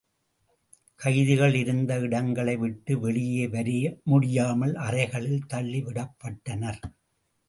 கைதிகள் இருந்த இடங்களை விட்டு வெளியே வரமுடியாமல் அறைகளில் தள்ளிவிடப்பட்டனர்.